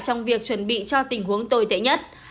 trong việc chuẩn bị cho tình huống tồi tệ nhất